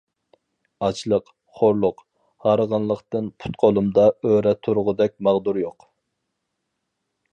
ئاچلىق، خورلۇق، ھارغىنلىقتىن پۇت-قولۇمدا ئۆرە تۇرغۇدەك ماغدۇر يوق.